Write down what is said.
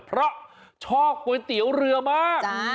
เพราะชอบก๋วยเตี๋ยวเรือมาก